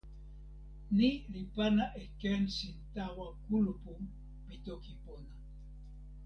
ni li pana e ken sin tawa kulupu pi toki pona.